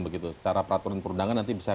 begitu secara peraturan perundangan nanti bisa